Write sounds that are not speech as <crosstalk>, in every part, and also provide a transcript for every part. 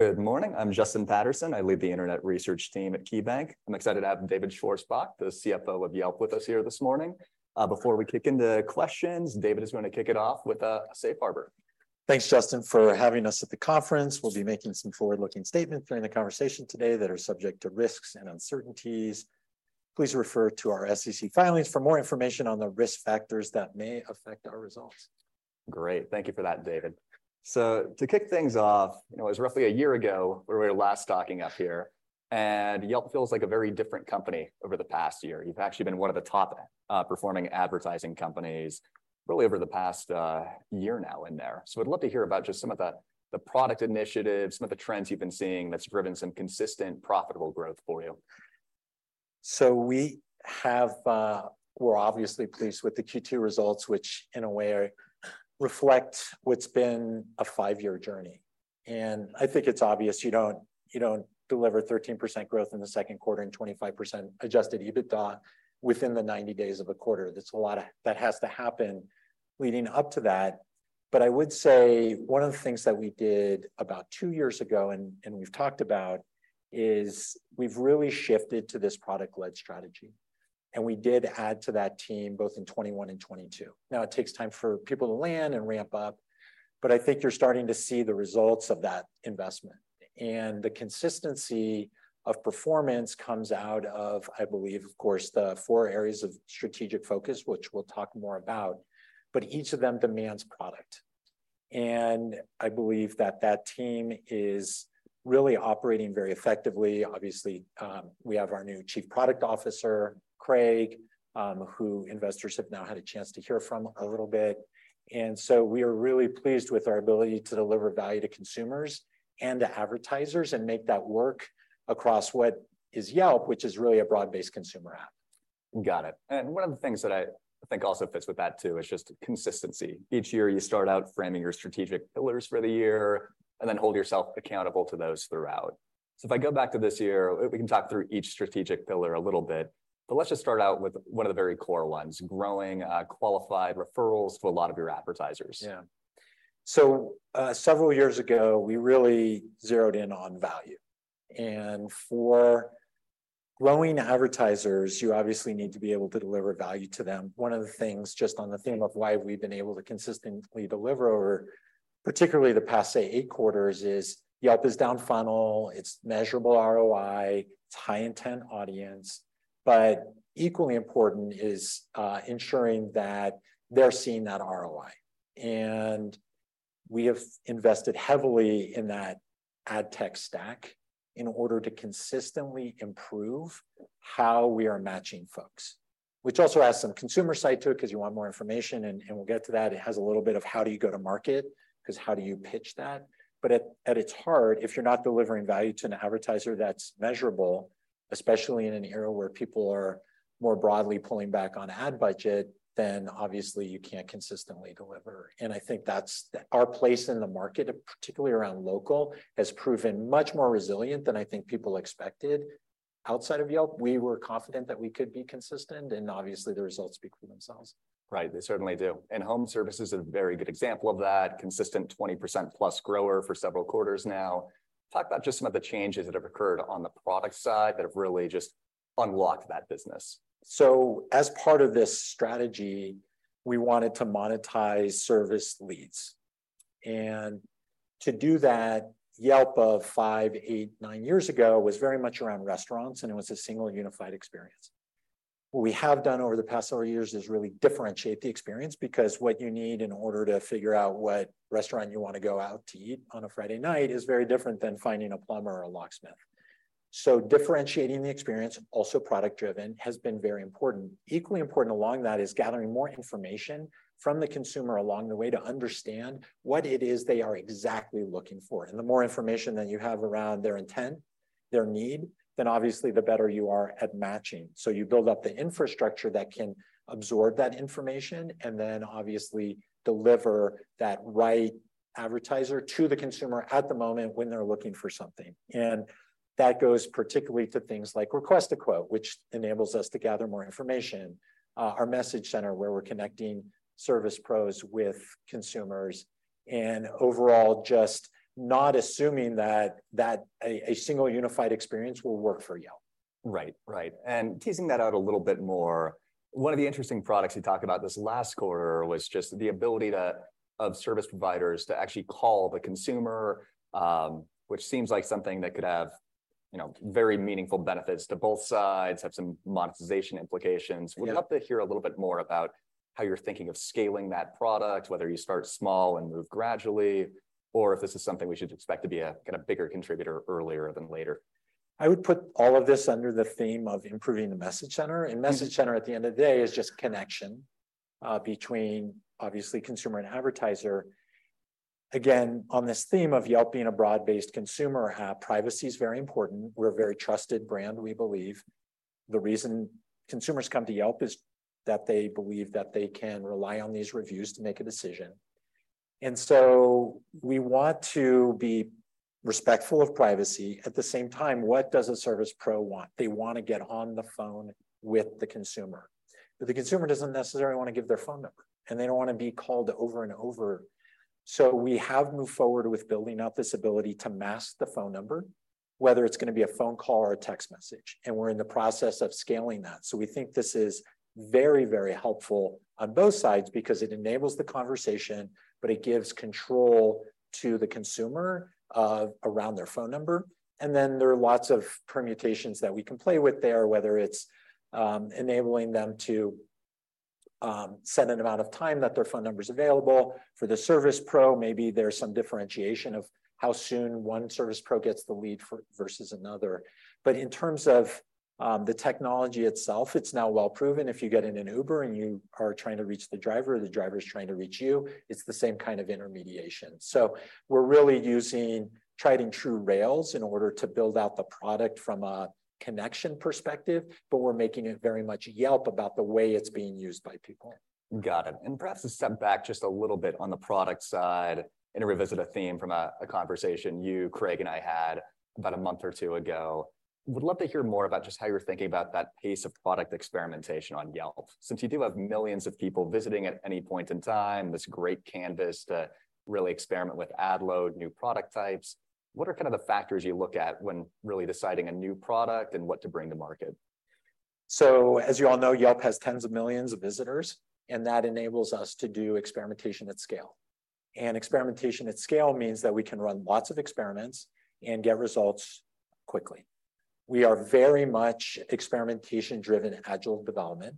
Good morning. I'm Justin Patterson. I lead the internet research team at KeyBanc. I'm excited to have David Schwarzbach, the CFO of Yelp, with us here this morning. Before we kick into questions, David is gonna kick it off with a safe harbor. Thanks, Justin, for having us at the conference. We'll be making some forward-looking statements during the conversation today that are subject to risks and uncertainties. Please refer to our SEC filings for more information on the risk factors that may affect our results. Great. Thank you for that, David. To kick things off, you know, it was roughly a year ago where we were last talking up here, and Yelp feels like a very different company over the past year. You've actually been one of the top performing advertising companies really over the past year now in there. We'd love to hear about just some of the, the product initiatives, some of the trends you've been seeing that's driven some consistent, profitable growth for you. We have... we're obviously pleased with the Q2 results, which, in a way, reflect what's been a 5-year journey, and I think it's obvious you don't, you don't deliver 13% growth in the 2nd quarter and 25% adjusted EBITDA within the 90 days of a quarter. That's a lot of. That has to happen leading up to that. I would say one of the things that we did about 2 years ago, and we've talked about, is we've really shifted to this product-led strategy, and we did add to that team both in 2021 and 2022. It takes time for people to land and ramp up, but I think you're starting to see the results of that investment. The consistency of performance comes out of, I believe, of course, the four areas of strategic focus, which we'll talk more about, but each of them demands product. I believe that that team is really operating very effectively. Obviously, we have our new Chief Product Officer, Craig Saldanha, who investors have now had a chance to hear from a little bit. We are really pleased with our ability to deliver value to consumers and to advertisers and make that work across what is Yelp, which is really a broad-based consumer app. Got it. One of the things that I think also fits with that, too, is just consistency. Each year, you start out framing your strategic pillars for the year and then hold yourself accountable to those throughout. If I go back to this year, we can talk through each strategic pillar a little bit, but let's just start out with one of the very core ones, growing qualified referrals for a lot of your advertisers. Yeah. Several years ago, we really zeroed in on value. For growing advertisers, you obviously need to be able to deliver value to them. One of the things, just on the theme of why we've been able to consistently deliver over, particularly the past, say, eight quarters, is Yelp is down funnel, it's measurable ROI, it's high-intent audience. Equally important is ensuring that they're seeing that ROI, and we have invested heavily in that ad tech stack in order to consistently improve how we are matching folks, which also adds some consumer side to it 'cause you want more information, and, and we'll get to that. It has a little bit of: How do you go to market? 'Cause how do you pitch that? At, at its heart, if you're not delivering value to an advertiser that's measurable, especially in an era where people are more broadly pulling back on ad budget, then obviously you can't consistently deliver. I think that's our place in the market, particularly around local, has proven much more resilient than I think people expected. Outside of Yelp, we were confident that we could be consistent, and obviously, the results speak for themselves. Right, they certainly do. Home service is a very good example of that, consistent 20%+ grower for several quarters now. Talk about just some of the changes that have occurred on the product side that have really just unlocked that business. As part of this strategy, we wanted to monetize service leads, and to do that, Yelp of five, eight, nine years ago was very much around restaurants, and it was a single, unified experience. What we have done over the past several years is really differentiate the experience because what you need in order to figure out what restaurant you wanna go out to eat on a Friday night is very different than finding a plumber or a locksmith. Differentiating the experience, also product-driven, has been very important. Equally important along that is gathering more information from the consumer along the way to understand what it is they are exactly looking for. The more information that you have around their intent, their need, then obviously, the better you are at matching. You build up the infrastructure that can absorb that information and then obviously deliver that right advertiser to the consumer at the moment when they're looking for something. That goes particularly to things like Request a Quote, which enables us to gather more information, our Message Center, where we're connecting service pros with consumers, and overall, just not assuming that, that a, a single, unified experience will work for Yelp. Right. Right, teasing that out a little bit more, one of the interesting products you talked about this last quarter was just the ability to, of service providers to actually call the consumer, which seems like something that could have, you know, very meaningful benefits to both sides, have some monetization implications. Yeah. We'd love to hear a little bit more about how you're thinking of scaling that product, whether you start small and move gradually, or if this is something we should expect to be a, kind of, bigger contributor earlier than later. I would put all of this under the theme of improving the Message Center. Message Center, at the end of the day, is just connection between, obviously, consumer and advertiser. Again, on this theme of Yelp being a broad-based consumer app, privacy is very important. We're a very trusted brand, we believe. The reason consumers come to Yelp is that they believe that they can rely on these reviews to make a decision. We want to be respectful of privacy. At the same time, what does a service pro want? They wanna get on the phone with the consumer, but the consumer doesn't necessarily wanna give their phone number, and they don't wanna be called over and over. We have moved forward with building out this ability to mask the phone number, whether it's gonna be a phone call or a text message, and we're in the process of scaling that. We think this is very, very helpful on both sides because it enables the conversation, but it gives control to the consumer, around their phone number. Then there are lots of permutations that we can play with there, whether it's, enabling them to, set an amount of time that their phone number's available. For the service pro, maybe there's some differentiation of how soon one service pro gets the lead versus another. In terms of, the technology itself, it's now well proven. If you get in an Uber and you are trying to reach the driver, or the driver's trying to reach you, it's the same kind of intermediation. We're really using tried-and-true rails in order to build out the product from a connection perspective, but we're making it very much Yelp about the way it's being used by people. Got it. Perhaps to step back just a little bit on the product side and to revisit a theme from a conversation you, Craig Saldanha, and I had about a month or two ago. Would love to hear more about just how you're thinking about that pace of product experimentation on Yelp. Since you do have millions of people visiting at any point in time, this great canvas to really experiment with ad load, new product types, what are kind of the factors you look at when really deciding a new product and what to bring to market? As you all know, Yelp has tens of millions of visitors, and that enables us to do experimentation at scale. Experimentation at scale means that we can run lots of experiments and get results quickly. We are very much experimentation-driven, agile development.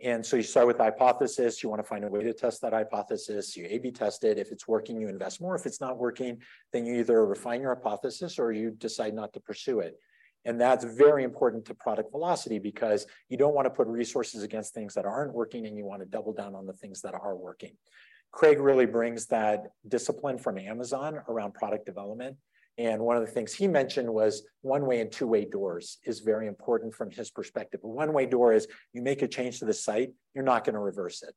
You start with a hypothesis. You wanna find a way to test that hypothesis. You A/B test it. If it's working, you invest more. If it's not working, then you either refine your hypothesis, or you decide not to pursue it. That's very important to product velocity because you don't wanna put resources against things that aren't working, and you wanna double down on the things that are working. Craig Saldanha really brings that discipline from Amazon around product development, and one of the things he mentioned was one-way and two-way doors is very important from his perspective. A one-way door is: You make a change to the site, you're not gonna reverse it.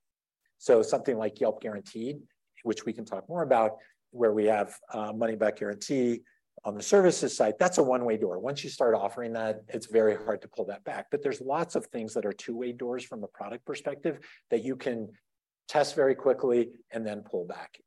Something like Yelp Guaranteed, which we can talk more about, where we have a money-back guarantee on the services side, that's a one-way door. Once you start offering that, it's very hard to pull that back. There's lots of things that are two-way doors from a product perspective that you can test very quickly and then pull back.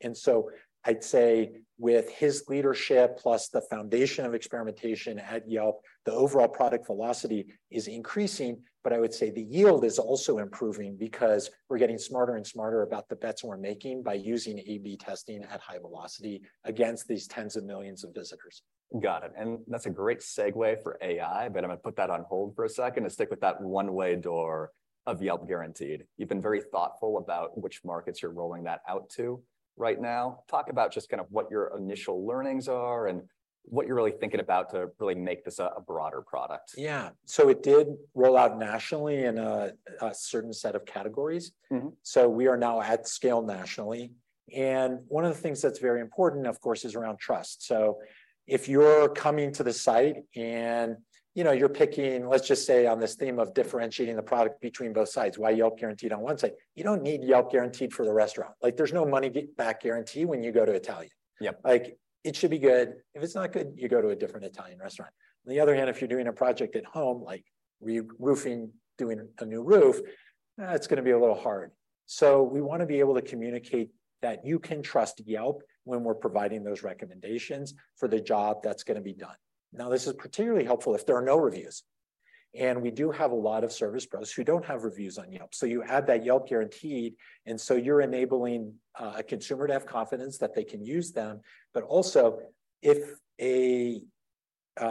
I'd say with his leadership, plus the foundation of experimentation at Yelp, the overall product velocity is increasing. I would say the yield is also improving because we're getting smarter and smarter about the bets we're making by using A/B testing at high velocity against these tens of millions of visitors. Got it. That's a great segue for AI, but I'm gonna put that on hold for a second and stick with that one-way door of Yelp Guaranteed. You've been very thoughtful about which markets you're rolling that out to right now. Talk about just kind of what your initial learnings are and what you're really thinking about to really make this a broader product. Yeah. It did roll out nationally in a, a certain set of categories. We are now at scale nationally, and one of the things that's very important, of course, is around trust. If you're coming to the site, and, you know, you're picking, let's just say, on this theme of differentiating the product between both sides, why Yelp Guaranteed on one side, you don't need Yelp Guaranteed for the restaurant. Like, there's no money back guarantee when you go to Italian. Yep. Like, it should be good. If it's not good, you go to a different Italian restaurant. On the other hand, if you're doing a project at home, like re-roofing, doing a new roof, it's gonna be a little hard. We wanna be able to communicate that you can trust Yelp when we're providing those recommendations for the job that's gonna be done. Now, this is particularly helpful if there are no reviews, and we do have a lot of service pros who don't have reviews on Yelp. You add that Yelp Guaranteed, and so you're enabling a consumer to have confidence that they can use them. Also, if a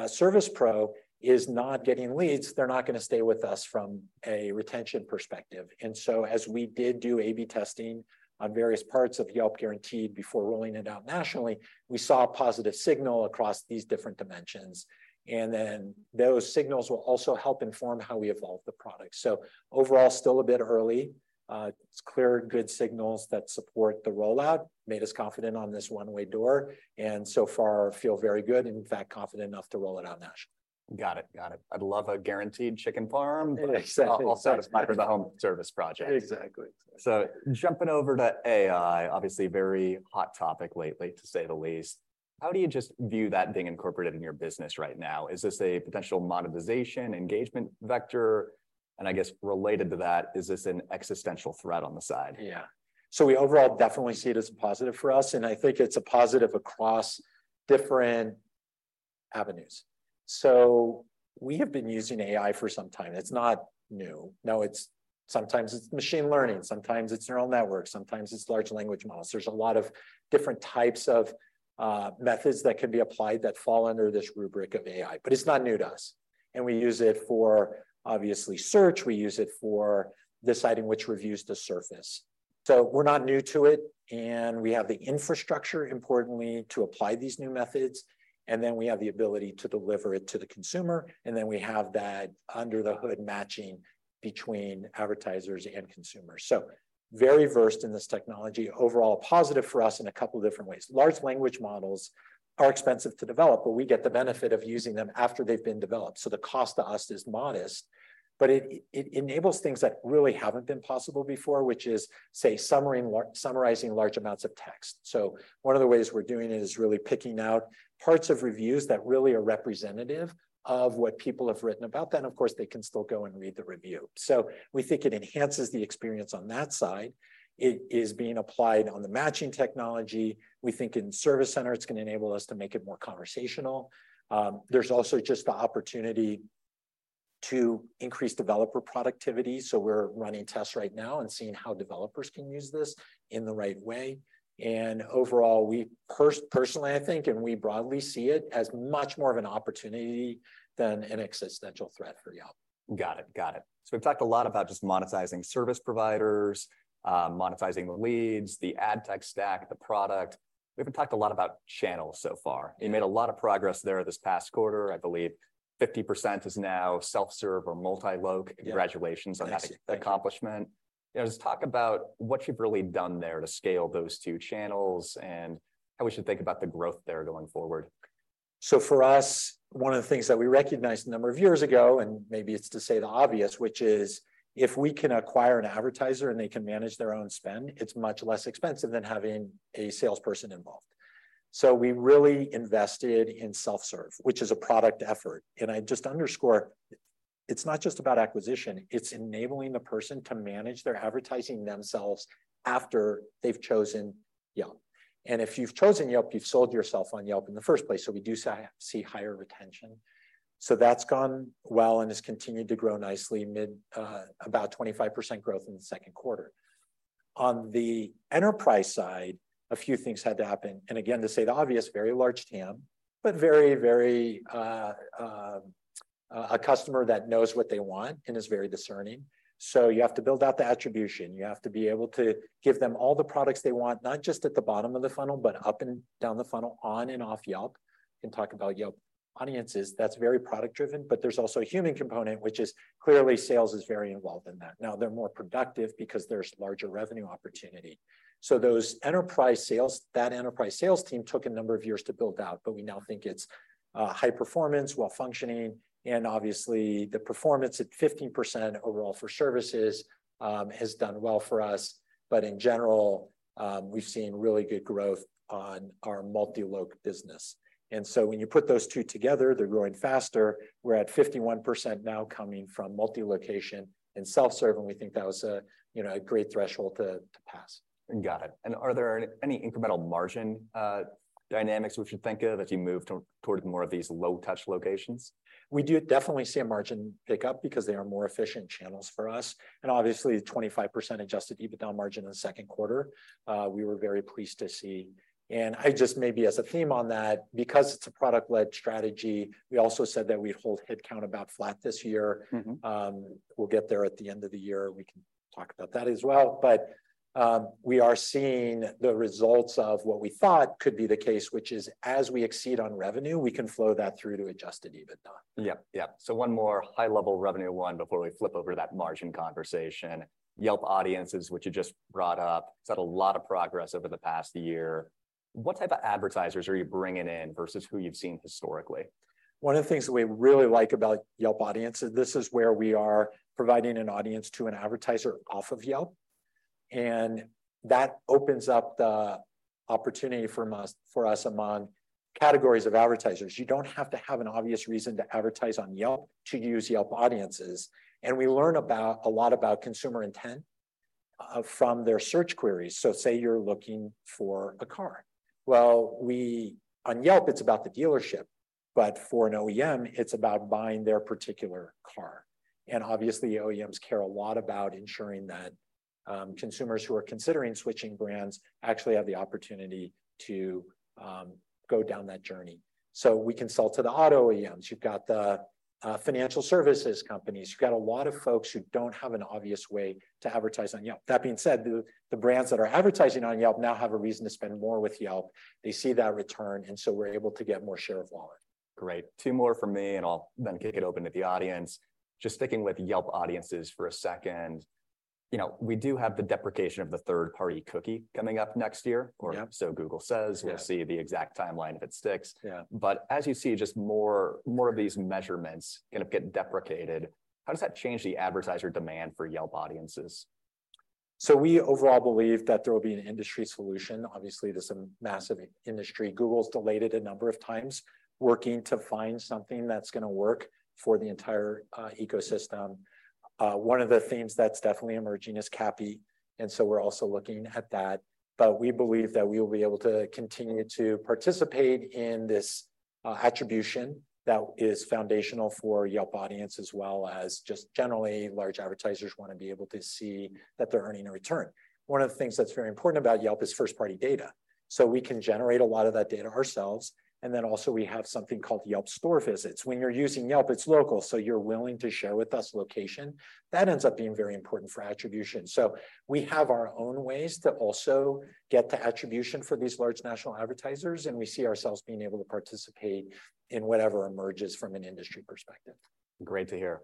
service pro is not getting leads, they're not gonna stay with us from a retention perspective. As we did do A/B testing on various parts of Yelp Guaranteed before rolling it out nationally, we saw a positive signal across these different dimensions. Those signals will also help inform how we evolve the product. Overall, still a bit early. It's clear good signals that support the rollout, made us confident on this one-way door, and so far feel very good, and in fact, confident enough to roll it out nationally. Got it. Got it. I'd love a guaranteed chicken parm- Exactly. I'll settle for the home service project. Exactly. Jumping over to AI, obviously a very hot topic lately, to say the least, how do you just view that being incorporated in your business right now? Is this a potential monetization, engagement vector? And I guess related to that, is this an existential threat on the side? Yeah. We overall definitely see it as a positive for us, and I think it's a positive across different avenues. We have been using AI for some time. It's not new. Now, it's sometimes it's machine learning, sometimes it's neural networks, sometimes it's large language models. There's a lot of different types of methods that can be applied that fall under this rubric of AI, but it's not new to us. We use it for, obviously, search. We use it for deciding which reviews to surface. We're not new to it, and we have the infrastructure, importantly, to apply these new methods, and then we have the ability to deliver it to the consumer. We have that under-the-hood matching between advertisers and consumers. Very versed in this technology. Overall, a positive for us in a couple different ways. Large language models are expensive to develop, but we get the benefit of using them after they've been developed, so the cost to us is modest. It, it enables things that really haven't been possible before, which is, say, summarizing large amounts of text. One of the ways we're doing it is really picking out parts of reviews that really are representative of what people have written about. Then, of course, they can still go and read the review. We think it enhances the experience on that side. It is being applied on the matching technology. We think in Service Center, it's gonna enable us to make it more conversational. There's also just the opportunity to increase developer productivity. We're running tests right now and seeing how developers can use this in the right way. Overall, we personally, I think, and we broadly see it as much more of an opportunity than an existential threat for Yelp. Got it. Got it. We've talked a lot about just monetizing service providers, monetizing the leads, the ad tech stack, the product. We haven't talked a lot about channels so far. You made a lot of progress there this past quarter. I believe 50% is now self-serve or multi-loc. Yeah. Congratulations- Thank you.... on that accomplishment. You know, just talk about what you've really done there to scale those two channels and how we should think about the growth there going forward. For us, one of the things that we recognized a number of years ago, and maybe it's to state the obvious, which is, if we can acquire an advertiser and they can manage their own spend, it's much less expensive than having a salesperson involved. We really invested in self-serve, which is a product effort, and I'd just underscore, it's not just about acquisition, it's enabling the person to manage their advertising themselves after they've chosen Yelp. If you've chosen Yelp, you've sold yourself on Yelp in the first place, so we do see higher retention. That's gone well and has continued to grow nicely, mid, about 25% growth in the second quarter. On the enterprise side, a few things had to happen. Again, to state the obvious, very large TAM, very, very, a customer that knows what they want and is very discerning. You have to build out the attribution. You have to be able to give them all the products they want, not just at the bottom of the funnel, but up and down the funnel, on and off Yelp. We can talk about Yelp Audiences. That's very product-driven. There's also a human component, which is clearly sales is very involved in that. Now, they're more productive because there's larger revenue opportunity. Those enterprise sales... That enterprise sales team took a number of years to build out. We now think it's high performance, well-functioning, and obviously, the performance at 15% overall for services has done well for us. In general, we've seen really good growth on our multi-loc business. When you put those two together, they're growing faster. We're at 51% now coming from multi-location and self-serve, and we think that was a, you know, a great threshold to, to pass. Got it. Are there any incremental margin dynamics we should think of as you move towards more of these low-touch locations? We do definitely see a margin pick-up because they are more efficient channels for us, and obviously, 25% adjusted EBITDA margin in the second quarter, we were very pleased to see. I just maybe as a theme on that, because it's a product-led strategy, we also said that we'd hold head count about flat this year. Mm-hmm. We'll get there at the end of the year. We can talk about that as well, but we are seeing the results of what we thought could be the case, which is, as we exceed on revenue, we can flow that through to adjusted EBITDA. Yep, yep. One more high-level revenue one before we flip over to that margin conversation. Yelp Audiences, which you just brought up, has had a lot of progress over the past year. What type of advertisers are you bringing in versus who you've seen historically? One of the things that we really like about Yelp Audiences, this is where we are providing an audience to an advertiser off of Yelp. That opens up the opportunity for us among categories of advertisers. You don't have to have an obvious reason to advertise on Yelp to use Yelp Audiences. We learn a lot about consumer intent from their search queries. Say you're looking for a car. Well, we, on Yelp, it's about the dealership, but for an OEM, it's about buying their particular car. Obviously, OEMs care a lot about ensuring that consumers who are considering switching brands actually have the opportunity to go down that journey. We consult to the auto OEMs. You've got the financial services companies. You've got a lot of folks who don't have an obvious way to advertise on Yelp. That being said, the brands that are advertising on Yelp now have a reason to spend more with Yelp. They see that return, and so we're able to get more share of wallet. Great. Two more from me, and I'll then kick it open to the audience. Just sticking with Yelp Audiences for a second, you know, we do have the deprecation of the third-party cookie coming up next year. Yep... or so Google says. Yeah. We'll see the exact timeline if it sticks. Yeah. As you see just more, more of these measurements end up getting deprecated, how does that change the advertiser demand for Yelp Audiences? We overall believe that there will be an industry solution. Obviously, this is a massive industry. Google's delayed it a number of times, working to find something that's gonna work for the entire ecosystem. One of the themes that's definitely emerging is CAPI, and so we're also looking at that. We believe that we will be able to continue to participate in this attribution that is foundational for Yelp Audience, as well as just generally, large advertisers wanna be able to see that they're earning a return. One of the things that's very important about Yelp is first-party data, so we can generate a lot of that data ourselves, and then also we have something called Yelp Store Visits. When you're using Yelp, it's local, so you're willing to share with us location. That ends up being very important for attribution. We have our own ways to also get the attribution for these large national advertisers, and we see ourselves being able to participate in whatever emerges from an industry perspective. Great to hear.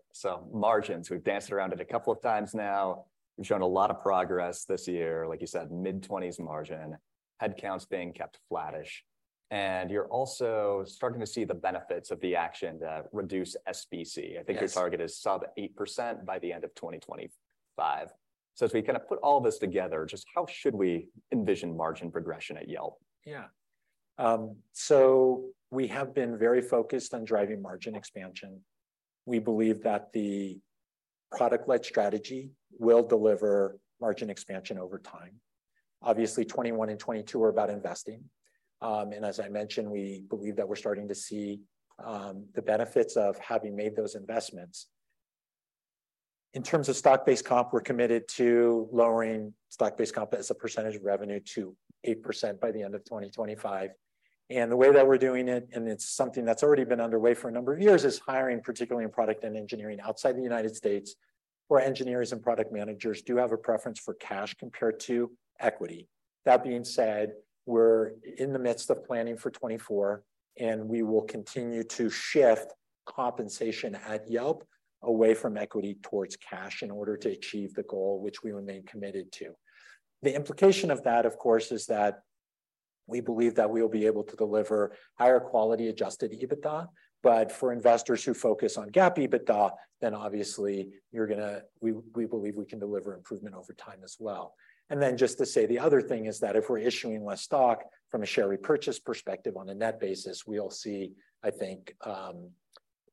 Margins, we've danced around it a couple of times now. We've shown a lot of progress this year, like you said, mid-20s margin, headcounts being kept flattish, and you're also starting to see the benefits of the action to reduce SBC. Yes. I think your target is sub 8% by the end of 2025. As we kinda put all this together, just how should we envision margin progression at Yelp? Yeah, we have been very focused on driving margin expansion. We believe that the product-led strategy will deliver margin expansion over time. Obviously, 2021 and 2022 were about investing. As I mentioned, we believe that we're starting to see the benefits of having made those investments. In terms of stock-based comp, we're committed to lowering stock-based comp as a percentage of revenue to 8% by the end of 2025. The way that we're doing it, and it's something that's already been underway for a number of years, is hiring, particularly in product and engineering outside the United States, where engineers and product managers do have a preference for cash compared to equity. That being said, we're in the midst of planning for 2024, and we will continue to shift compensation at Yelp away from equity towards cash in order to achieve the goal, which we remain committed to. The implication of that, of course, is that we believe that we will be able to deliver higher quality adjusted EBITDA. For investors who focus on GAAP EBITDA, then obviously, you're we, we believe we can deliver improvement over time as well. Just to say, the other thing is that if we're issuing less stock from a share repurchase perspective on a net basis, we'll see, I think,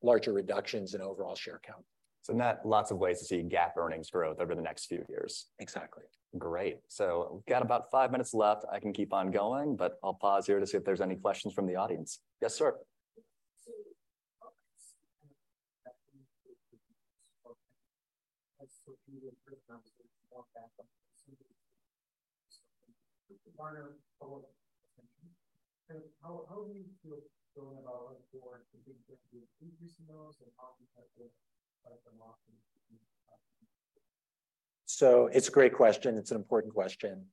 larger reductions in overall share count. Net, lots of ways to see GAAP earnings growth over the next few years. Exactly. Great. We've got about five minutes left. I can keep on going, but I'll pause here to see if there's any questions from the audience. Yes, sir? <audio distortion> It's a great question. It's an important question.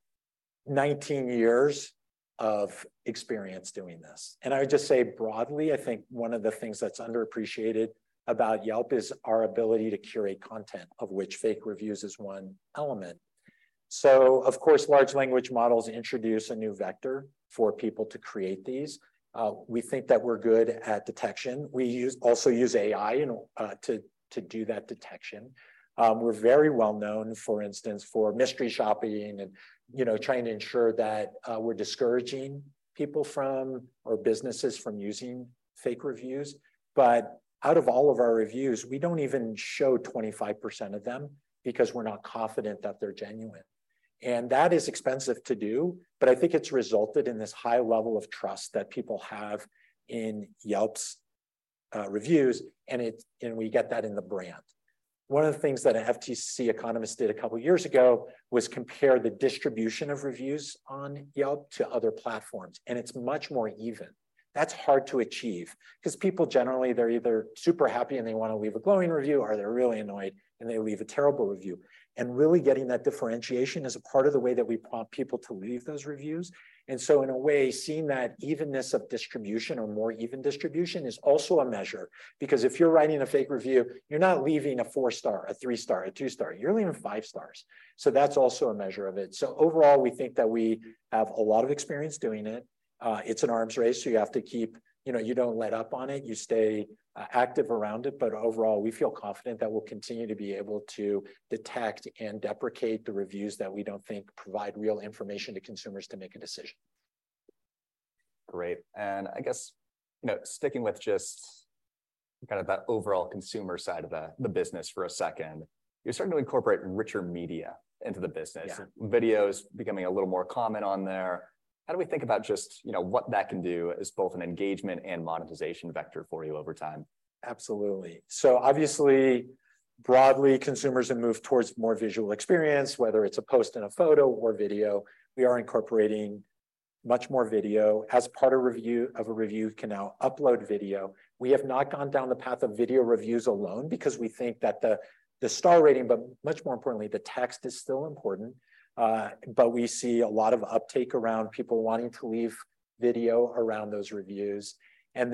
19 years of experience doing this, and I would just say broadly, I think one of the things that's underappreciated about Yelp is our ability to curate content, of which fake reviews is one element. Of course, large language models introduce a new vector for people to create these. We think that we're good at detection. We use, also use AI, you know, to do that detection. We're very well known, for instance, for mystery shopping and, you know, trying to ensure that we're discouraging people from, or businesses from using fake reviews. Out of all of our reviews, we don't even show 25% of them because we're not confident that they're genuine. That is expensive to do, but I think it's resulted in this high level of trust that people have in Yelp's reviews, and we get that in the brand. One of the things that an FTC economist did two years ago was compare the distribution of reviews on Yelp to other platforms, and it's much more even. That's hard to achieve, 'cause people generally, they're either super happy and they wanna leave a glowing review, or they're really annoyed and they leave a terrible review. Really getting that differentiation is a part of the way that we prompt people to leave those reviews. So in a way, seeing that evenness of distribution or more even distribution is also a measure, because if you're writing a fake review, you're not leaving a 4-star, a 3-star, a 2-star. You're leaving 5 stars. That's also a measure of it. Overall, we think that we have a lot of experience doing it. It's an arms race, so you have to keep... You know, you don't let up on it. You stay active around it. Overall, we feel confident that we'll continue to be able to detect and deprecate the reviews that we don't think provide real information to consumers to make a decision. Great. I guess, you know, sticking with just kind of the overall consumer side of the, the business for a second, you're starting to incorporate richer media into the business. Yeah. Video's becoming a little more common on there. How do we think about just, you know, what that can do as both an engagement and monetization vector for you over time? Absolutely. Obviously, broadly, consumers have moved towards more visual experience, whether it's a post and a photo or video. We are incorporating much more video. As part of review, of a review, you can now upload video. We have not gone down the path of video reviews alone because we think that the, the star rating, but much more importantly, the text is still important. We see a lot of uptake around people wanting to leave video around those reviews. Ad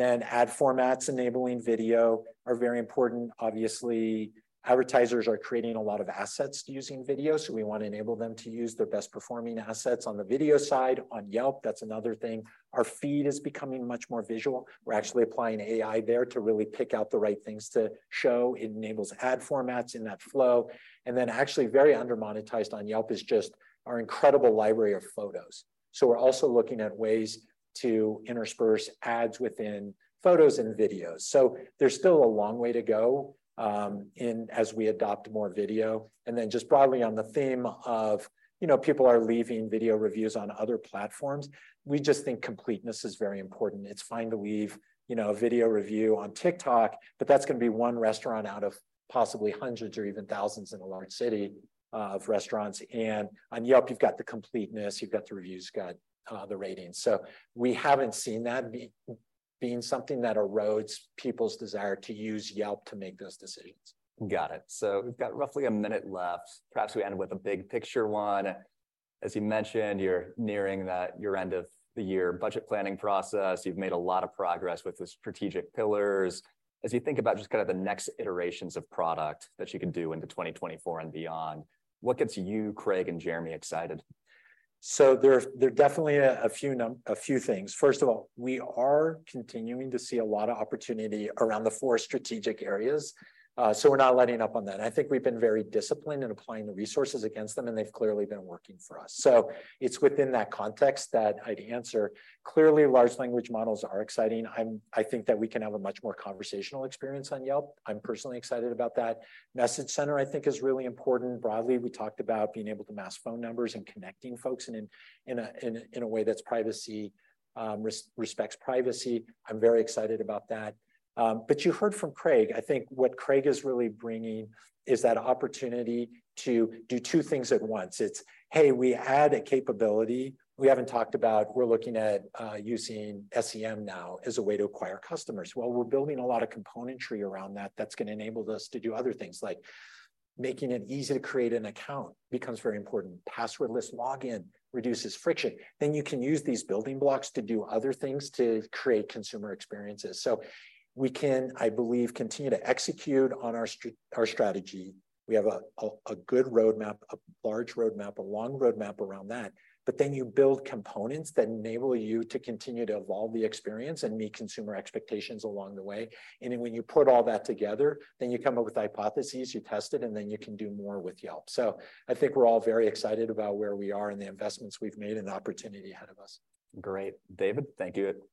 formats enabling video are very important. Obviously, advertisers are creating a lot of assets using video, so we wanna enable them to use their best-performing assets on the video side. On Yelp, that's another thing. Our feed is becoming much more visual. We're actually applying AI there to really pick out the right things to show. It enables ad formats in that flow. Actually, very under-monetized on Yelp is just our incredible library of photos. We're also looking at ways to intersperse ads within photos and videos. There's still a long way to go as we adopt more video. Just broadly on the theme of, you know, people are leaving video reviews on other platforms, we just think completeness is very important. It's fine to leave, you know, a video review on TikTok, but that's gonna be one restaurant out of possibly hundreds or even thousands in a large city of restaurants. On Yelp, you've got the completeness, you've got the reviews, you've got the ratings. We haven't seen that being something that erodes people's desire to use Yelp to make those decisions. Got it. We've got roughly a minute left. Perhaps we end with a big picture one. As you mentioned, you're nearing that, your end of the year budget planning process. You've made a lot of progress with the strategic pillars. As you think about just kind of the next iterations of product that you could do into 2024 and beyond, what gets you, Craig Saldanha, and Jeremy Stoppelman excited? There, there are definitely a few things. First of all, we are continuing to see a lot of opportunity around the four strategic areas. We're not letting up on that. I think we've been very disciplined in applying the resources against them, and they've clearly been working for us. It's within that context that I'd answer. Clearly, large language models are exciting. I think that we can have a much more conversational experience on Yelp. I'm personally excited about that. Message Center, I think, is really important. Broadly, we talked about being able to mask phone numbers and connecting folks in an, in a, in a, in a way that's privacy, respects privacy. I'm very excited about that. You heard from Craig Saldanha. I think what Craig Saldanha is really bringing is that opportunity to do two things at once. It's, hey, we had a capability. We haven't talked about we're looking at, using SEM now as a way to acquire customers. Well, we're building a lot of componentry around that that's gonna enable us to do other things, like making it easy to create an account becomes very important. Passwordless login reduces friction. Then you can use these building blocks to do other things to create consumer experiences. So we can, I believe, continue to execute on our strategy. We have a, a, a good roadmap, a large roadmap, a long roadmap around that. Then you build components that enable you to continue to evolve the experience and meet consumer expectations along the way. When you put all that together, then you come up with hypotheses, you test it, and then you can do more with Yelp. I think we're all very excited about where we are and the investments we've made and the opportunity ahead of us. Great. David, thank you-